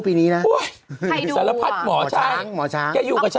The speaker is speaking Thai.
เพราะเราว่ะ